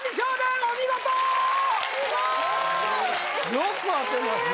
よく当てました